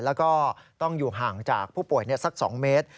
แล้วก็ต้องอยู่ห่างจากผู้ป่วยสัก๒เมตร